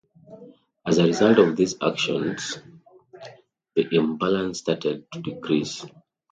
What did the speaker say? As a result of these actions, the imbalance started to decrease.